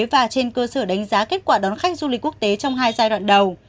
và trên cơ sở đánh giá kết quả đón khách du lịch quốc tế trong hai giai đoạn đầu